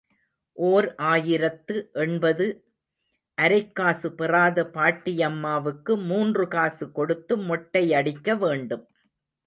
ஓர் ஆயிரத்து எண்பது அரைக் காசு பெறாத பாட்டியம்மாவுக்கு மூன்று காசு கொடுத்து மொட்டை அடிக்க வேண்டும்.